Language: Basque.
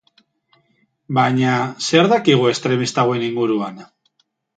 Baina, zer dakigu estremista hauen inguruan?